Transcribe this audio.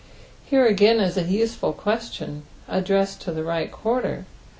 Here again la a useful question, addressed to the right quarter.